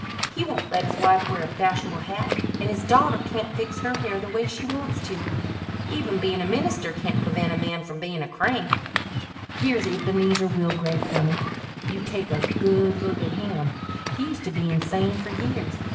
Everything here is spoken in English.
He won't let his wife wear a fashionable hat, and his daughter can't fix her hair the way she wants to. Even being a minister can't prevent a man from being a crank. Here's Ebenezer Milgrave coming. You take a good look at him. He used to be insane for years.